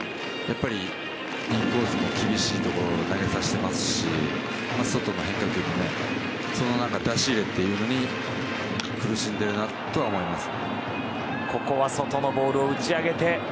インコースも厳しいところを投げさせてますし外の変化球の出し入れに苦しんでいるなとは思います。